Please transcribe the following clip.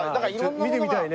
見てみたいね。